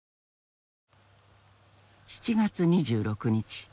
７月２６日。